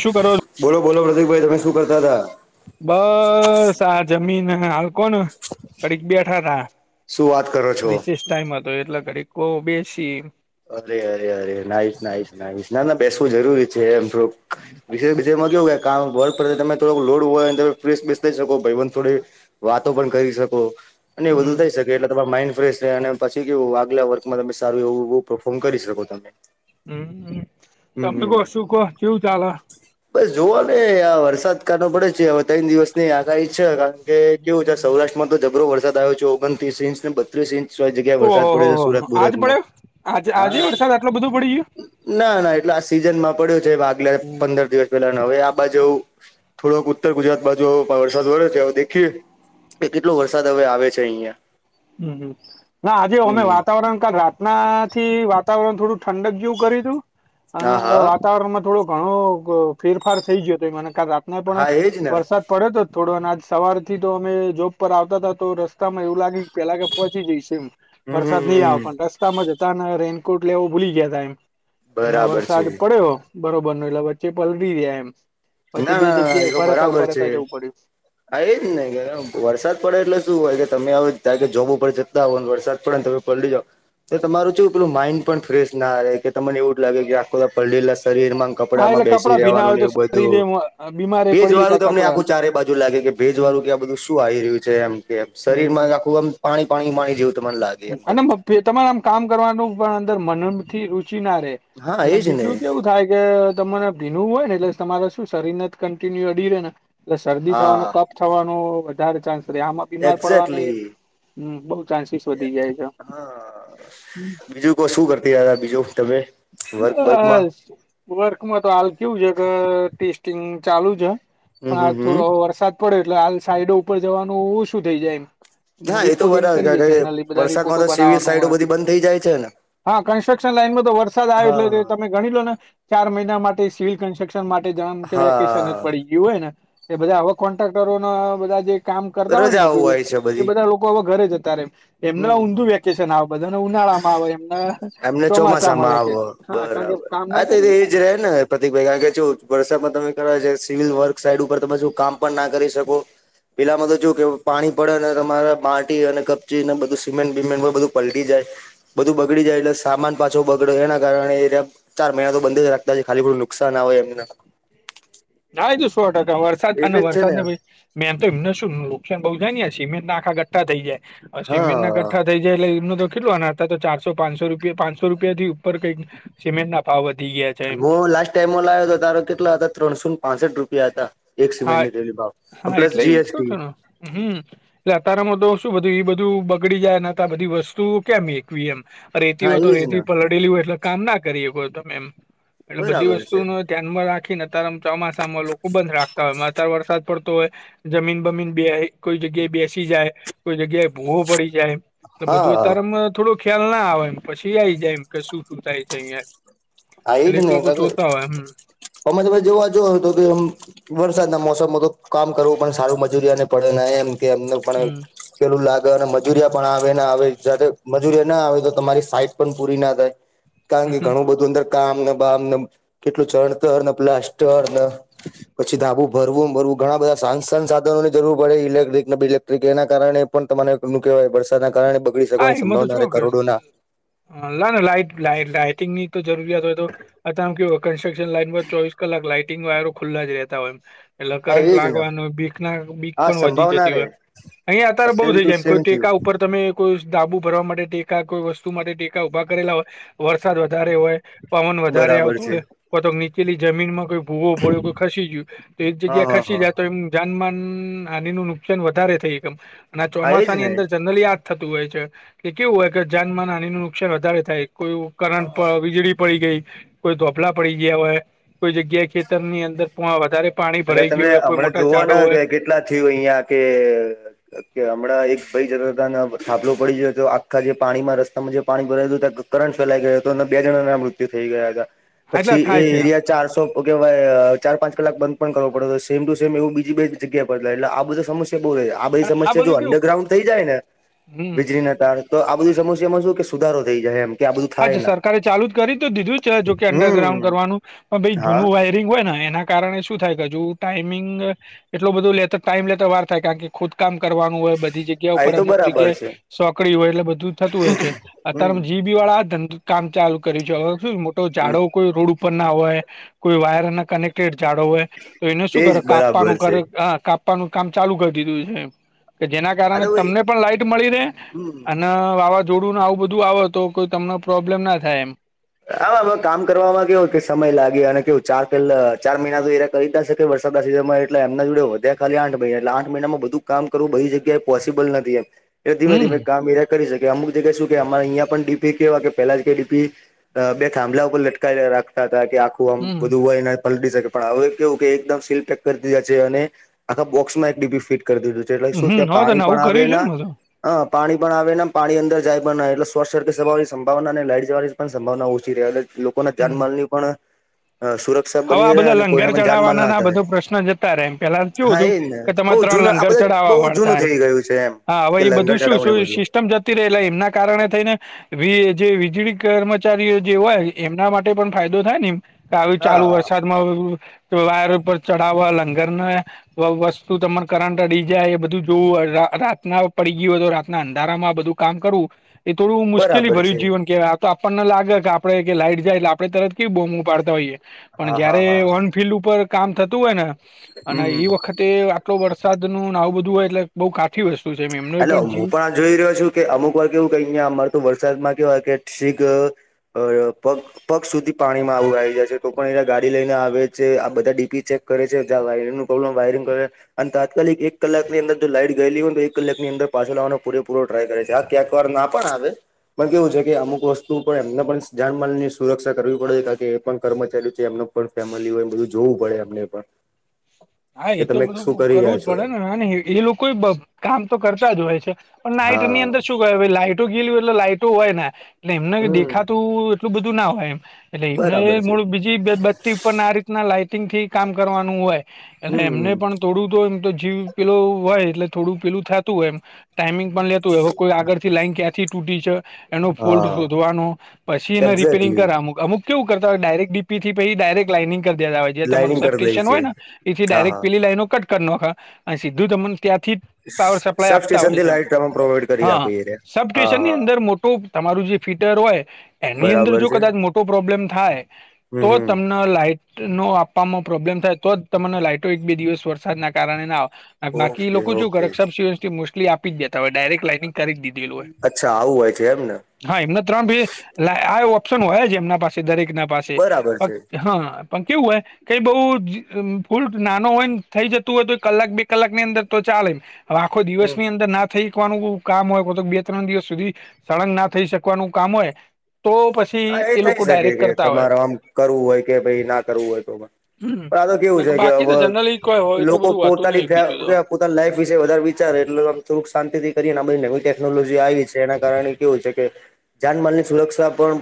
શું કરો બોલો બોલો પ્રતિકભાઈ તમે શું કરતા હતા? બસ આ જમીન અને હાલ કોણ કડીક બેઠા તા શું વાત કરો છો રીસેસ ટાઈમ હતો એટલા કરી કો બેસી અરે અરે અરે નાઈશ નાઈશ નાઈશ ના ના બેસવું જરૂરી છે એમ તો [unintelligible] બીજમાં કેવું કામ [unintelligible] તમે થોડો લોડ હોય તમે ફ બેસ થઈ શકો ભાઈ થોડી વાતો પણ કરી શકો. અને એધું હમ થઈ શકે એટલે તમારા માઈન્ડ ફ્રેશ રહે અને પછી કેવું આગલા વર્કમાંમે સું એવું પર્ફોર્મ કરી શકો તમે. હમ હમ તમે કો હમ શું કો કેવું ચાલે? બસ જુવો ને આ વરસાદ કાટો પડે છે હવે ત્રણ દિવસ ની આગાહી છે કારણ કેવું છે સૌરાષ્ટ્રમાં તો જબરો વરસાદ આવ્યો છે ઓગણત્રીસ ઇંચ ને બ ત્રીસ ઇંચ જગ્યા વરસાદ ઓહો પડ્યો છે સુરત આજ બરતમાં પડ્યો આજે આજે હા. વરસાદ આટલો બધો પડી ગયો ના ના એટલે આ સિઝન માં પડ્યો છે આગલે હમ પંદર દિવસ પેલા ના હવે આ બાજુ થોડોક ઉત્તર ગુજરાત બાજુ વરસાદ વડ્યો છે દેખીએ કે કેટલો વરસાદ હવે આવે છે અહિયાં. હમ ના આજે અમે હમ વાતાવરણ કાલ રાતના થી વાતાવરણ થોડું ઠંડક જેવું કર્યું તું હા અને હા વાતાવરણમાં થોડો ઘણો ફેરફાર થઈ ગયો હતો [unintelligible] ને પણ હા એજ ને વરસાદ પડ્યો તો થોડો અને આજ સવાર થી તો અમે જોબ પર આવતા હતા તો રસ્તા માં એવું લાગ્યું પેલા કે પહોંચી જઈશ એમ હમ વરસાદ નહીં હમ આવે પણ રસ્તામાં જતાને રેનકોટ લેવો ભૂલી ગયા તા એમ અને બરાબર છે વરસાદ પડ્યો બરોબર ન એટલે વચ્ચે પલળી રહયા એમ ના પછી બે ના ના એ જગ્યાએ તો ઉભા રહેતા બરાબર ઉભા છે રહેતા જવું પડ્યું હા એ જ ને કે વરસાદ પડે એટલે શું હોય કે તમે હવે ત્યા જોબું પડે જતા હો ને વરસાદ પડે ને તમે પલળી જાઓ તમારું શું પેલું માઈન્ડ પણ ફ્રેશ ના રહે કે તમને એવું જ લાગે કે આખો પળેલા શરીર માં કપડામાં બેસી રહેેવાનું ને એવું બધું હ બીમા ભેજવાળું તમને આખું ચારે બાજુ લાગે કે હમ ભેજવાળું કે આ બધું શું આવી રહ્યું છે એમ કે શરીર હમ માં જ આખું આમ પાણી પાણી પાણી જેવું તમારે લાગ અને તમારે આમ કામ કરવાનું પણ અંદર મનથી રુચિ ના રે હા અને એજ ને બીજું કેવું થાય કે તમને ભીનું હોય ને એટલે તમારે શું શરીર ને જ કન્ટિન્યુ અડી રહે ને એટલે શરદી થવાનો હા કપ થવાનો વધારે ચાન્સ રહે આમાં બીમાર પડવાની એક્ઝેક્ટલી હ બહુ ચાન્સીસ વધી જાય છે હા બીજું કો શું કરતી [unintelligible] બીજું તમે વર્ક વર્કમાં બસ વર્કમાં તો હાલ કેવું છે કે ટેસ્ટિંગ ચાલુ છે હમ પણ હમ આ હમ થોડો વરસાદ પડે એટલે હાલ સાઈડો ઉપર જવાનું શું થઈ જાય એમ હા એ તો રિપોર્ટિંગ બરાબર કારણ કરીએ. કે જનરલ એ બધા વરસાદમાં રિપોર્ટો તો સિવિલ બનાવાનું સાઈડો હોય, બધી બંધ થઈ જાય છે ને હા કન્સ્ટ્રક્શન લાઈનમાં તો વરસાદ આવે એટલે હા તમે ગણી લો ને ચાર મહિના માટે સિવિલ કન્સ્ટ્રક્શન માટે જ કે વેકેશન જ પડી હા ગિયું. એવું હોય ને કે બધા આવા કોન્ટ્રાક્ટરો ના બધા જે કામ કરતા હોય ને રજાઓ મજૂરીયા છે એ બધી બધા લોકો હવે ઘરે જતા ર એમના હમ ઊંધું વ્યક્તિ છે ને આ બધા ને ઉનાળામાં આવે એમના એમને ચોમાસામાં આવો વેકેશન હા કારણ કે કામ ના કરીએ હકે. પ્રતકભાઈ કારણ કે વરસાદમા તમે કરવા જાય સિવલ વર્ક સાઈડ ઉપર તો પાછુ કામ પણ ના કરી શકો. પેલામાં તો જો કેવું પાણી પડે તમારા માટી અને કપચી ને બધું સીમેન્ટ બીમેન્ટ બધું પલટી જાય. બધું બગડી જાય એટલે સામાન પાછો બગડે એના કારણે ચાર મહિના તો બંધ જ રાખ બા ખાલી ખુટું નુકશાન આવે એમને. આ તો સો ટકા વરસાદ અને એટલે જ છે વરસાદ ને પછી મેમ તો એમને શ નુકસાન બઉુ જાય ને આ સિમેન્ટ ના આખા ગઠ્ઠા થઈાય સિમેન્ટ નાના હા ગઠ્ઠા થઈ જાય એટલે એમનો તો કેટલું ના હતા તો ચારસો પાંસો રિયા પાંચસો રૂપિયા થી ઉપર કંઈક સિમેન્ટ ના ભાવ વધી ગયા છે. એમ હ લાસ્ટ ટાઈમ લાવ્યો હતો તારો કેટલા હતા ત્રણ શું પાસઠ રૂપિયા હતા એક હા સીમેન્ટ ની દેલી ભાવ હા પ્લસ એટલે એ જ કઉ જીએસટી છું ને હમ એટલે અતારામાં તો શું બધું એ બધું બગડી જાયને બધી વસ્તુ કેમ મેક મ રેતી હા હોય તો એજ ને રેતી પલડેલી હોય એટલે કામ ના કરીએ કો તમે એમ. એટલે બધી બરાબર છે. વસ્તુ ન ધ્યાનમાં રાખીને તારમ ચોમાસ લોકો બંધ રાખતા હોય અતારે વરસાદ પડતો હોય, જમીન બમીન બે કોઈ જગ્યાએ બેસી જાય કોઈ જગ્યાએ ભૂવો પડી જાય. હા બધું અત્યારેમાં થોડો ખ્યાલ ના આવેમ પછી આઈ જાય એમ કે શું શું થાય જાય અ. આ એજ એટલે એક ને લોકો જોતા હોય એમ. અમે તમે જોવા જ તો કે વરસાદના મોસમમાં તો કામ કરવું પણ સારું મજૂરીને પડે એમ કે એમને પણ હમ પેલું લાગે અને મજુરીયા પણ આવે ને આવે જ જ્યારે મજુરિયા ના આવે તો તમારી સાઈટ પણ પૂરી ના થાય. કારણ કે હમ ઘણું બધું અંદર કામ ના બામ કેટલું ચળતર, પ્લાસ્ટર પછી ધાબું ભરવું ભરવું ઘણા બધા સાન સાધનો ની જરૂર પડે ઇલેક્ટ્રિકને બિલેક તો કે એના કારણે પણ તમારે કેહેવાય વરસાદના કારણે બગડી શકવાની સંભાવના ર કરોડોના હ ના ના લાાઈટ લ લાાઈટિંગની તો જરૂરિયાત હોય તો અત કેવું કન્સ્ટ્રક્શન લાઈનમાં ચોવીસ કલાક લાઈટિંગ વાયરો ખુલ્લા જ રહેતા હોય એટલે હા કરંટ એજ ને લાગવાનુંય બીખ ના બીખ હા પણ વધી સંભાવના જતી રે હોય. અહીંયા અત્યારે બુ સેમ થઇ ટુ જાય એમ સેમ કોઈ ટેકા થયું ઉપર તમે કોઈ ડાબુ ભરવા માટે ટેકા કોઈ વસ્તુ માટે ટેકા ઉભા કરેલા હોય વરસાદ વધારે હોય. પવન વધારે બરાબર આવતો છે હોય તો નીચેલી જમીનમાં કોઈ ભૂવોડ્યો કો ખસી ગયું તો એક હા જગ્યા હા ખસી હા જાય તો એમ જાન માનહાની નું નુકસાન વધારે થઈ હકે આ હા એજ ચોમાસાની ને અંદર જનરલી આ થતું હોય છે કે કેવું હોય કે જાનમાનહાની નું નુકસાન વધારે થાય. કોઈ કરંટ પર વીજળી પડી ગઈ. કોઈ ધોપલા પડી ગયા હોય કોઈ જગ્યાએ ખેતર ની અંદર વધારે પાણી અને ભરાઈ તમે ગયું હોય કોઈ હમણાં મોટા જોવો ને ઝાડો કે હોય. કેટલા થયું અહિયાં કે કે હમણાં એક ભાઈ જતા હતા થાબલો પડી જયો તો આખા જે પાણીમાં રસ્તામાં જે પાણી ભરાયલું ત્યા કરંટ ફેલાઈ ગયો હતો અને બે જણ ના મૃત્યુ થઈ ગયા હતા. આટલા પછી થાય એ છે એરિયા ચારસો ઓ કેવાય ચાર પાંચ કલાક બંધ પણ કરવો પડતો હતો સેમ ટુ સેમ એવ બીજી બે જગ્યા પર હતા એટલે આ બધા સમસ્યા બહુ રેય. આ બધી અને સમસ્યા જો બધું કેવું અંડરગ્રાઉન્ડ થઈ જાય ને હમ વીજળી ના તાર તો આ બધી સમસ્યામાં શું કે સુધારો થઈ જાય એમ. કે આ બધું હા થાય ના સરકારે ચાલુ જ કરી તો દીધું જોકે અંડરગ્રાઉન્ડ હમ કરવાનું પણ પઈ હા જૂનું હોય એના કારણે શું થાય ટાઈમિંગ એટ લો બધું ટાઈમ લેતા વાર થાય કારણ કે ખોદકામ કરવાનું હોય બધી જગ્યા આ એ ઉપર તો અમુક બરાબર જગ્યાએ છે સોકડી હોય એટલે બધું થતું હોય છે હમ અત્યારે જીવ બી વાળા ધંધ કામ ચાલુ કર્યું છે હવે શું મોટો હમ ઝાડો કોઈ રોડ ઉપર ના હોય કોઈ વાયર ના કનેક્ટ કે જાડો હોય તો એને શું એજ કરે બરાબર કાપવાનું છે કરે કાપવાનું કામ ચાલુ કરી દીધું છે. એમ કે જેના આ કારણે તો ભાઈ તમને પણ લાઈટ મળી રહે હમ અને વાવાઝોડું ને આવું બધું આવે તો કોઈ તમને પ્રોબ્લેમ ના થાય એમ હામાં કામ કરવામાં કેવુંય કે સમય લાગે અને કેવું ચાર પલા ચાર મહિના તો એનો કહી દા શ કે વરસાદના સિઝનમાં એટ એમના જોડ વધ્યા ખાલી આઠ મહિના એટલે આઠ મહિનામાં બધું કામ કરું બધી જગ્યાએ પોસિબલ નથી એમ એટલે ધીમે હમ ધીમે કામ એજા કરી શકે અમુક જગ્યા શું કે અમારે અહીંયા પણ ડીપી કેવા કે પેલા જ કે ડીપી બે ખાભલા ઉપર લટકાવી રાખતા હતા કે આખું આમ હમ બધું હોય એને પલટી શકે. પણ હવે કેવું કે એકદમ સીલ પેક કરી દીધા છે અને આખા બોક્સમાં એક ડીપી ફીટ કરી દીધો છે. એટલે શું હમ ત્યાં હવે તો પાણી નવું પણ આવે કર્યું છે ને ના બધું હ પાણી પણ આવે નેમ પાણી અંદર જાય પણ એટલે શોર્ટ સર્કટ જવાની સંભાવના ન લાઈટ જવાની પણ સં ઓછી લોકોના હમ જાનમાલની પણ સુરત હવે આ બધા લંગર ચડાવવાના ના બધો પ્રશ્ન જતા રહે એમ પેલા કેવુ હા હતું. એજ ને બઉ તમારે ત્રણ જૂનું આ લંગર બધા બહુ ચઢાવવા પડતા જૂનું એમ થઈ ગયું છે એમ હા હવે કે એ લંગર બધું શું ચડાવું શું ને બધું સિસ્ટમ જ રહેલા એમના કારણે થઈને વી જે વીજળી કર્મચારીઓ જે હોય એમના માટે પણ ફાયદો થાય નેમ હા ચાલુ વરસાદમાં વાયર ઉપર ચડાવવા લંગરને વસ્તુ તમાને કરંટ અડી જાય એ બધું જોવું રાતના પડી ગયું હોય તો રાતના અંધારામાં બધું કામ કરવું એ થોડું મુશ્કેલી બરાબર ભર્યું છે જીવન કેવા તો આપણને લાગે કે આપડે કે લાઈટ જાય એટલે આપણે તરત કેવી બોમ ઉપડતા હોઈએ પણ હા હા જયારે હા ઓ ફિલ્ડ ઉપર કામ થતું હોય ને હમ અને હમ એ વખત તે આટલો વરસાદ ન નાવ બધું હોય એટલે બઉ કા ઠી વસ્તુ છે. એમનો હલો હું જીવ પણ જોઈ રહ્યો છું કે અમુક વાર કેવું કઈ અયા અમાર તો વરસાદમાં કેવાય કે શીક અરે પગ. પગ સુધી પાણીમાં આવું આવી જાય છે તો પણ એના ગાડી લઈને આવે છે આ બધા ડીપી છે. કરે છે જ વાયરિંગ નો પ્રોબ્મ વાયરિંગ કરે અને તાત્કાલિક એક કલાકની અંદર જો લાઈટ ગયેલી હોય તો. કલાકની અંદર પાછો લાવવાનો પૂરેપૂરો ટ્રાય કરે છે આ ક્યાંક વાર ના પણ આવે. પણ કેવું છે કે અમુક વસ્તુ પણ એમને પણ જાનમાલ ની સુરક્ષા કરવી પડે છે કારણ કે એ પણ કર્મચારી છે એમનો. ફેમિલી હોય બધું જોવું પડે અમને પણ. હા કે એ તો તમે શું બધું કરી રહ્યા કરવું જ છો પડે એમ ને એ લોકો કામ તો કરતા જ હોય છે. પણ નાઇટ ની હા અંદર શું કહે લાઈટો ગેલી હો એટલે લાઈટો હોય ને એટલે એમને હમ દેખાતું એટલું બધું. ના હોય એમ એટલે બરાબર એમને છે મ બીજું. બતી ઉપર આ રીતના લાઈટિંગ થી કામ કરવાનું હોય એટ હમ એમને પણ. થોડું તો એમ તો જીવ પેલું હોય એટલે થોડું પેલું થતું હોય એમ. ટાઈમિંગ પણ લેતું એવ કોઈ આગળ થી લાઈન ક્યાંથી તૂટી છે. એનો ફોલ્ટ હા શોધવાનો પછી એને રિપેરિંગ એક્ઝેક્ટલી કર અમુક અમુક કેવું કરતા હોય ડાયરેક ડીપી થી પછી ડાયરેક લાાઈનિંગ કરી દેતા હોય્યા તમારું લાઈનિંગ સબ કરી દઈ સ્ટેશન છે હોયને. હા ડાયરેક હા પેલી લાઈનો કટ કર ના અને સીધું ત. ત્યાંથી પાવર સપ્લાય સબ આપતા સ્ટેશન હોય થી છે લાઈટ તમે પ્રોવાઈડ કરી આપો હા એ રહ્યા. સબ હા સ્ટેશનની હા અંદર મોટું. તમારું જે ફીટર હોય એની અંદર બરાબર જો છે કદાચ મોટો પ્રોબ્લેમ થાય હમ તો હમ તમને લાઈટ. નો આપવામાં પ્રોબ્લેમ થાય તો જ તમને લાઈટો એક બે દિવસ વરસાદના કારણે ના આવે બાકી ઓકે લોકો શું ઓકે કરરેબ મોસ્ટલી આપી જ દેતા હોય ડાયરેક લાાઈનિંગ કરી અચ્છા આવું હોય છે એમને દીધેલુંય હા એમના ત્રણ બે લ આ ઓપ્શન હોય છે એમના પાસે દરેક ના પાસે બરાબર છે હા પણ કેવું હોય કઈ બઉ ઉલ નાનો હોય ને થઈ જતું હોય તો કલાક બે કલાક ની અંદર તો ચાલે આખો હમ દિવસની અંદર ના થઈ શવાનું કામ હોય બે ત્રણ દિવસ સુધી સળંગ ના થઈ શકવાનું કામ હોય તો પછી હા એ થઈ લોકો શકે ડાયરેક્ટ કે કરતા હોય તમારે આમ કરવું હોય કે ભ ના કરવું હોય તો હમ્મ. પણ આ કેવું છે કે બાકી તો જનરલી કોઈ હોય એટલું લોકો બધું હોતું નહિ બીજું તો પોતાની પોતાની લાઈફ વિશે વધારે વિચારે એટલે થોડુંક શાંતિથી કરીએને આ બધી નવી ટેકનોલોજી આવી છે એના કારણે કેવું છે કે જાનમાલની સુરક્ષા પણ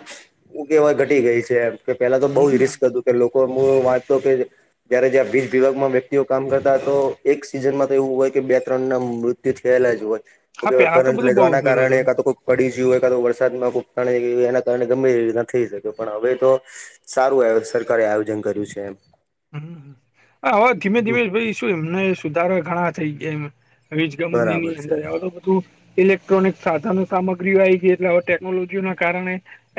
એ કેહેવાય ઘટી ગઈ છેમ કે પેલા તો બહુ જ હમ રિસ્ક હતું કે લોકો હ વાંચતો કે જયારે જ્યાં વીજ વિભાગમાં વ્યક્તિઓ કામ કરતા તો એક સિઝનમાં તો એવું હોય કે બે ત્રણ ના મૃત્ય થયેલા જ હોય તો હા પેલા કરટ બધું બહુ લેવાના જોયેલું હતું કારણે પડી ગયું હોય કા તો વરસાદમાં ખુબ તણે કાર ગંમેીર રીતના થઈ શકે પણ હવે તો સારું સરકારે આયોજન કર્યું છે એમ હ હવે ધીમે હમ ધીમે શું એમને સુધારા ઘણા થઈ ગયા એમ વીજ બરાબર કંપની છે અંદ ઇલેક્ટ્રોનિક સાધનનો સામગ્રી આવી ગઈ એટલે હવે ટેકનોલોજી ના કારણે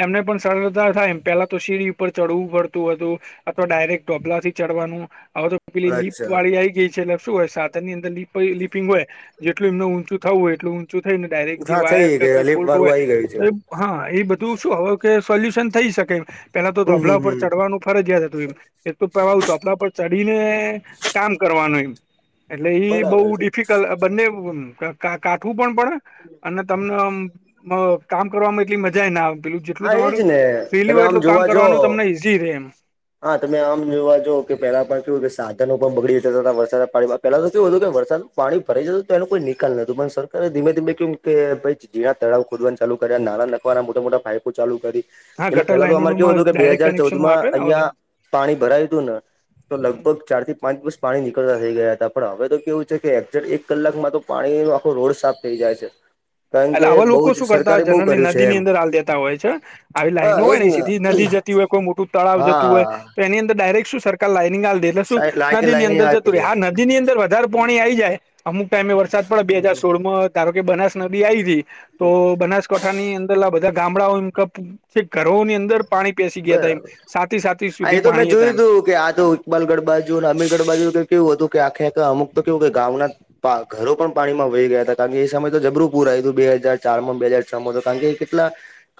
એમને પણ સરળતા થાય એમ પેલા તો શીરી ઉપર ચડવું પડતું હતું અથવા ડાયરેક્ટ ટબલા થી ચડવાનું હવે તો પેલી લીપ અચ્છા વાળી આઈ ગઈ છે એટલે શું હોય સા ની અર લીપિંગ હોય જેટલ એમનું ઊંચું થવું હોય એટલ થયને ડાયરેક્ટ જે હા થઈ વાયર ગઈ કોઈ અલીફ ફોલટ વારું હોય આવી તો ગયું છે એ હા એ બધું શું હવે કે સોલ્યુશન થઈ શકે પેલા તો હમ ધોભલા હમ ઉપર હમ ચડવાનું ફરજિયાત હતું એમ એક તો પવા આવ હત આપણા પર ચડીને કામ કરવાનું એમ એટલે ઈ બઉ બરાબર છે ડિફિકલ્ટ બંને કાઠવું પણ પડે અને તમને હ કામ કરવામાં એટલી મજાએ ના આવે પેલું જેટલું હા એજ તમારું ને ફ્રીલી તમે હોય આમ એટલું કામ જોવા જો કરવાનું તમને ઈઝી રહેે એમ હા તમે આમ જોવા જો કે પેલા પણ કેવુંય કે સાધનો પણ બગડી જતા હતા વરસદના પાણીમા પેલા તો કેયું હતું કેમ વરસાદ પાણી ભરાઈ જ તો એનો કોઈ નિકાલ નતું પણ સરકારે ધીમે ધીમે કે કે ભાઈ જીણા તળાવ ખોદવાનું ચાલુ કર્યા નાના મોટા મોટા પાઈપો ચાલુ કરી હા એટલે ગટર પેલા તો અમારે કેવું લાઈનોમાં હતું કે બે ડાયરેક્ટ હાજાર ચૌદ કનેક્શનો માં આપે ને હવે તો અહિયાં પાણી ભરાયું હતું ને તો લગભગ ચાર થી પાંચ વર્ષ પાણી નીકળતા થઈ ગયા હતા પણ હવે તો કેવું છે કે એક કલાકમાં તો પાણીનો આખો રોડ સાફ થઈ જાય છે કારણ એટલે કે આવા બહુ લોકો જ શું કરતા સરકારે બહુ જનરલી કર્યું છે નદીની એમ અંદર આલ દેતા હોય છે આવી હા લાઈનો હોય એજ ને સીધી નદી જતી હોય કોઈ મોટું તળાવ જતું હોય હા તો એની અંદર ડાયરેક્ટ શું સરકાર કે લાઈનિંગ આલદે એટલે શું લાઈક નદી ની લાઈને અંદર આપી જતું રહે દે હા નદી ની અંદર વધારે પાણી આવી જાય અમુક ટાઈમે વરસાદ પડે બે હજાર સોળમાં ત્યાર કે બનાસ નદી આવીથી તો બનાસ કાઠાની અંદર આ બધા ગામડાઓ એમ છે ઘરોની અંદર પાણી પેસી ગયા હતા એમ બરાબર છાતી છાતી હા એ સુધી મેં પાણી જ હતા જોયું એમ તું તો કે આ દોડ જૂનાગળ બાજુ અને આમેદગદ બાજુ તો કેવું હતું કે આખેખખાલા અમુક તો કેવું કે ઘઉંના ઘરો પણ પાણીમાં વહી ગયા હતા કારણ કે એ સમય તો જબરું પૂર આવયું હતું બે હાજાર ચાર માં બે હાજાર છ માં તો કારણ કે એ કેટલા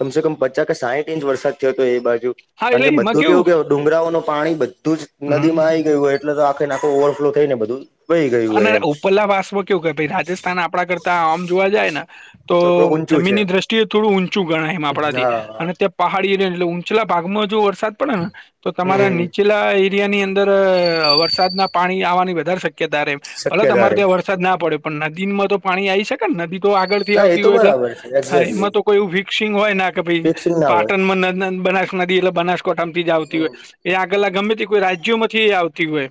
કમસે કમ પચાસ કે સાહીઠ ઇંચ વરસાદ થયો હતો એ બાજુ હા કારણ એટલે કે એમાં બધું કેવું કે હતું ડુંગરાઓનું પાણી બધું જ નદી માં કેવું આવી ગયું હોય એટલે તો આખે નાખો ઓવરફ્લો થઈ ને બધું વહી ગયું હોય અને એમ ઉપરલા વાસમાં કેવું કેાઈ રાજસ્થાન આપણા કરતા આમ જોવા જાય ને તો થોડુંક ઊંચું છે જમીનની દ્રષ્ટિએ થોડું ઊંચું ગણાય એમ આપણાથી હા અને પહાડી એરિયા એટલે ઊંચલા ભાગમાં જો વરસાદ પડે ને તો તમારા હમ નીચેલા એરિયાની અંદર ત્યારે વરસાદ ના પાણી આવાની વધારે શક્યતા રહે ભલે શક્યતા તમારે રે ત્યાં વર વરસાદ ના પડે પણ નદીમાં તો પાણી આવી શકે ને નદી તો આગળ થી હા એ આવતી તો હોય એટલે બરાબર છે હા એક્ઝેક્ટલી એમાં તો કોઈ એવું ફિક્સિંગ હોય ના કે ભાઈ ફિક્સિંગ ના હોય પાટણમાં બનાસ નદી એટલે બનાસકોઠામાંથી જ આવતી હોય એ આગલા ગમે તે કોઈ રાજ્યોમાંથી એ આવતી હોય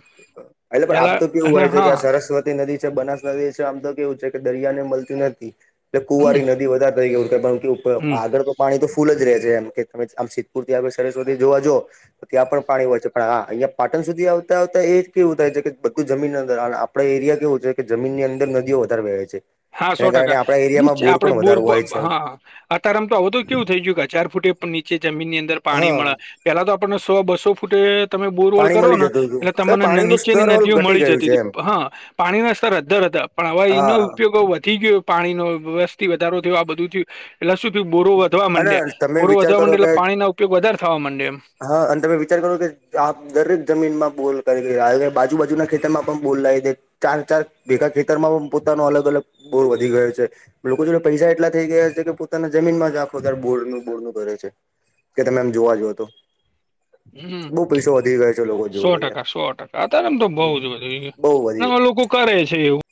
એટલે પણ આમ કેલા તો કેવું હોય છે કે આ સરસ્વતી નદી છે બનાસ નદી છે આમ તો કેવું છે કે દરિયા ને મળતી નથી એટલે હમ કુંવારી નદી વધારે થઈ કારણ કે હમ આગળ તો પાણી તો ફૂલ જ રહે છે એમ કે તમે આમ સિદ્ધપુર થી સરસ્વતી જોવા જો તો ત્યાં પણ પાણી હોય છે પણ હા અહિયાં પાટણ સુધી આવતા એ કેવું થાય છે કે બધું જમીનની અંદર આપડે એરિયા કેવું છે કે જમીનની અંદર નદીઓ વધારે વહે છે હા સો એના કારણે ટકા આપણા એરિયામાં નીચે બોર આપડે પણ વધારે હોય બોરપમ્પ છે હા અતારમ તો આવો તો કેવું થઈ ગયું કે ચાર ફૂટે નીચે જમીન ની અંદર પાણી હા મળ્યા પેલા તો આપણને સો બસો ફૂટે તમે બોરવોલ પાણી કરો મળી ને જતું હતું એટલે કે તમને પાણીનું નીચેની સ્તર ઓલ નદીઓ ઘટી મળી ગયું જતી છે હતી એમ હા પાણીના સ્તર અદ્ધર હતા પણ હવે હા એનું વધી ગયું પાણી નો વસ્તી વધારો થયો આ બધું થયું એટલે શું થયું બોરો વધવા અને માંડયા તમે બોરો વિચાર વધવા કરો માંડે કે એટલે પાણી ના ઉપયોગ વધારે થવા માંડે એમ હા અને તમે વિચાર કરો કે આપ દરેક જમીનમાં બોર કરી આજુ બાજુના ખેતરમાં પણ બોર લાવી દે ચાર ચાર ભેગા ખેતરમાં પણ પોતાનો અલગ અલગ બોર વધી ગયો છે લોકો જોડે પૈસા એટલા થઈ ગયા છે કે પોતાના જમીનમાં જ આખો દાડો બોળનું બોળનું કરે છે કે તમે એમ જોવા જાવ તો હમ બહુ પૈસો વધી ગયો છે લોકો સો જોડે ટકા સો ટકા અત્યારે એમ તો બઉ જ વધી ગયો બહુ વધી ગયો અને લોકો કરે છે એવું